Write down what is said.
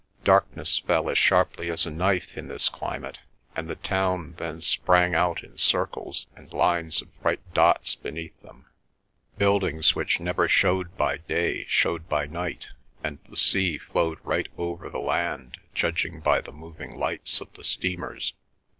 Darkness fell as sharply as a knife in this climate, and the town then sprang out in circles and lines of bright dots beneath them. Buildings which never showed by day showed by night, and the sea flowed right over the land judging by the moving lights of the steamers.